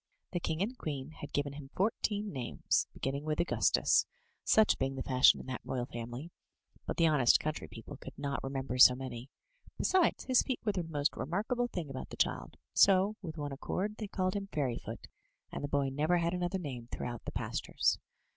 The king and queen had given him fourteen names, begin 13 M Y BOOK HOUSE ning with Augustus — ^such being the fashion in that royal fam ily; but the honest country people could not remember so many; besides, his feet were the most remarkable thing about the child, so with one accord they called him Fairyfoot and the boy never had another name throughout the pastures.